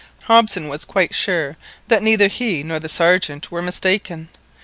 Hobson was quite sure that neither he nor the Sergeant were mistaken.